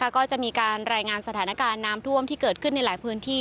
ก็จะมีการรายงานสถานการณ์น้ำท่วมที่เกิดขึ้นในหลายพื้นที่